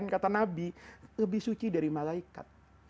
kata nabi lebih suci dari malaikat